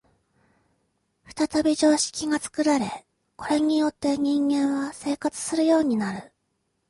再び常識が作られ、これによって人間は生活するようになる。